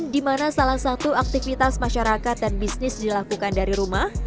di mana salah satu aktivitas masyarakat dan bisnis dilakukan dari rumah